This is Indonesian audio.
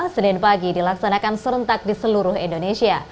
senin pagi dilaksanakan serentak di seluruh indonesia